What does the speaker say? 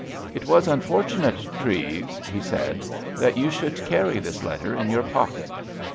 "It was unfortunate, Treves," he said, "that you should carry this letter in your pocket.